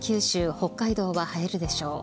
北海道は晴れるでしょう。